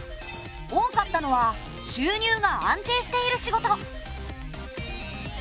多かったのは収入が安定している仕事。